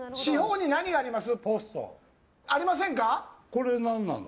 これ、何なの？